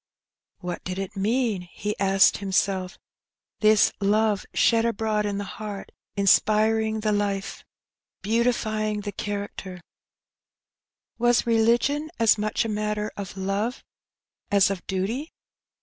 " What did it mean ?" he asked himself, " this love shed abroad in the heart, inspiring the life, beautifying the cha 232 Her Benny. racter? Was religion as much a matter of love as of duty?"